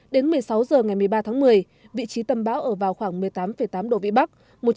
đến một mươi sáu h ngày một mươi ba tháng một mươi vị trí tâm bão ở vào khoảng một mươi tám tám độ vĩ bắc